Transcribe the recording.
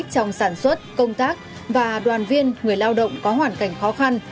chủ tịch trong sản xuất công tác và đoàn viên người lao động có hoàn cảnh khó khăn